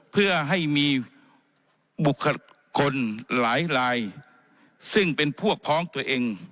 เพื่อให้มีบุคคลหลายลายซึ่งเป็นพวกพ้องตัวเอง